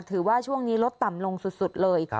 ถือว่าช่วงนี้ลดต่ำลงสุดเลย